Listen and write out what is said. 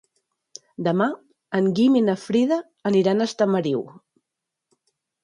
Demà en Guim i na Frida aniran a Estamariu.